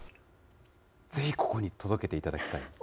ぜひ、ここに届けていただきたい。